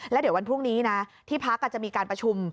แล้วเดี๋ยววันพรุ่งนี้นะที่พักจะมีการประชุม